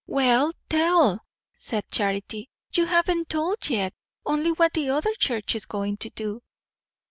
"Well, tell," said Charity. "You haven't told yet, only what the other church is going to do."